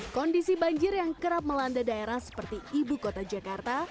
kondisi banjir yang kerap melanda daerah seperti ibu kota jakarta